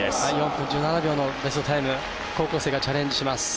４分１７秒のベストタイム高校生がチャレンジします。